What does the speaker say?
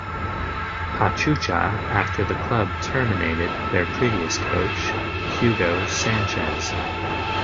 Pachuca, after the club terminated their previous coach Hugo Sanchez.